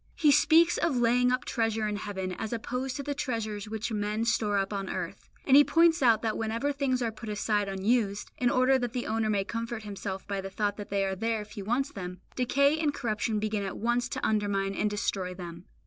He speaks of laying up treasure in heaven as opposed to the treasures which men store up on earth; and He points out that whenever things are put aside unused, in order that the owner may comfort himself by the thought that they are there if he wants them, decay and corruption begin at once to undermine and destroy them.